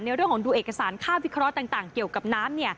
เรื่องของดูเอกสารค่าวิเคราะห์ต่างเกี่ยวกับน้ำ